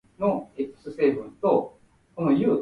東京都町田市